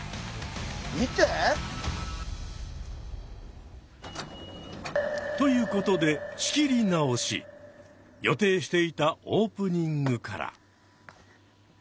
見て。ということで予定していたオープニングから。